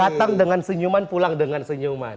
datang dengan senyuman pulang dengan senyuman